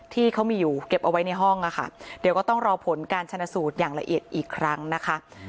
ที่เขามีอยู่เก็บเอาไว้ในห้องอะค่ะเดี๋ยวก็ต้องรอผลการชนะสูตรอย่างละเอียดอีกครั้งนะคะ